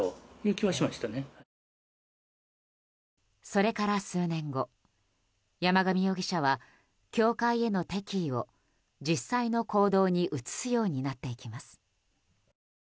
それから数年後、山上容疑者は教会への敵意を実際の行動に移すようになっていきます。